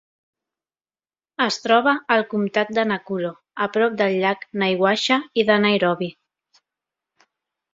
Es troba al comtat de Nakuro, a prop del llac Naivasha i de Nairobi.